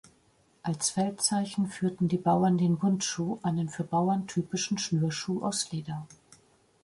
Als Feldzeichen führten die Bauern den Bundschuh, einen für Bauern typischen Schnürschuh aus Leder.